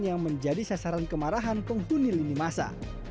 yang menjadi sasaran kemarahan penghuni lini masa